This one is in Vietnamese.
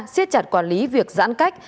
xiết chặt quản lý việc giãn cách